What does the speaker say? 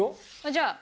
じゃあ。